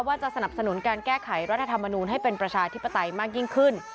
สนับสนุนการแก้ไขรัฐธรรมนูลให้เป็นประชาธิปไตยมากยิ่งขึ้น